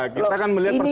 kita kan melihat perspektif